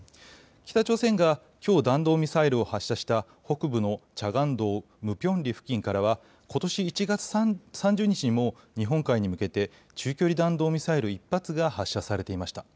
北朝鮮がきょう弾道ミサイルを発射した北部のチャガン道ムピョンリ付近からはことし１月３０日にも日本海に向けて中距離弾道ミサイル１発が発射されていました。